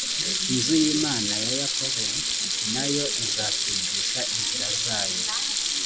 inzu y imana ya yakobo na yo izatwigisha inzira zayo